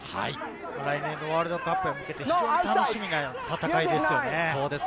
来年のワールドカップ、非常に楽しみな戦いですよね。